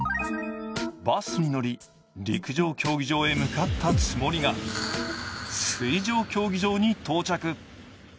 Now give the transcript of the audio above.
バスに乗り、陸上競技場に向かったつもりが水上競技場に到着。